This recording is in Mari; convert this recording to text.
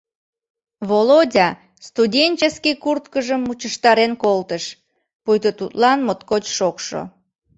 Володя студенческий курткыжым мучыштарен колтыш, пуйто тудлан моткоч шокшо.